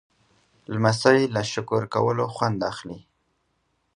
لمسی له شکر کولو خوند اخلي.